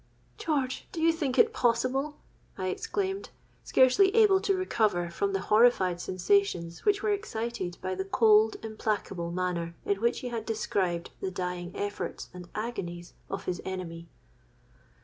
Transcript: '—'George, do you think it possible!' I exclaimed, scarcely able to recover from the horrified sensations which were excited by the cold, implacable manner in which he had described the dying efforts and agonies of his enemy.